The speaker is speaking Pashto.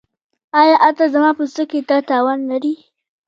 ایا عطر زما پوستکي ته تاوان لري؟